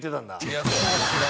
いやそうですね。